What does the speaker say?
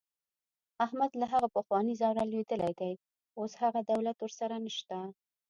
احمد له هغه پخواني زوره لوېدلی دی. اوس هغه دولت ورسره نشته.